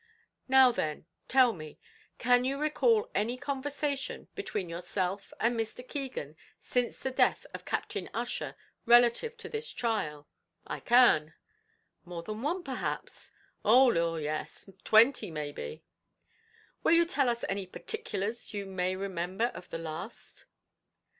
"Now, then, tell me. Can you recall any conversation between yourself and Mr. Keegan since the death of Captain Ussher, relative to this trial?" "I can." "More than one, perhaps?" "Oh, lor yes; twenty maybe." "Will you tell us any particulars you may remember of the last?"